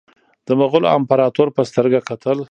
د مغولو امپراطور په سترګه کتل.